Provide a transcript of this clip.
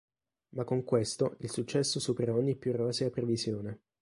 Ma con questo il successo supera ogni più rosea previsione.